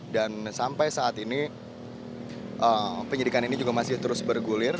dan sampai saat ini penyelidikan ini juga masih terus bergulir